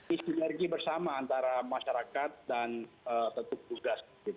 di sinergi bersama antara masyarakat dan tetuk tugas